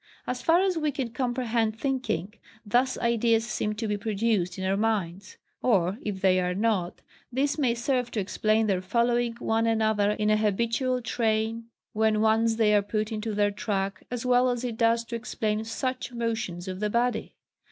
As far as we can comprehend thinking, thus ideas seem to be produced in our minds; or, if they are not, this may serve to explain their following one another in an habitual train, when once they are put into their track, as well as it does to explain such motions of the body.